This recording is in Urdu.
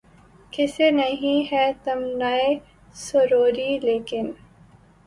کسے نہیں ہے تمنائے سروری ، لیکن